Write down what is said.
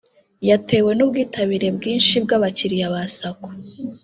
yatewe n’ubwitabire bwinshi bw’abakiriya ba Sacco